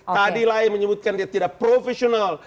tadi lain menyebutkan dia tidak profesional